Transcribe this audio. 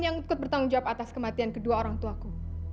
yang ikut bertanggung jawab atas kematian kedua orangtuaku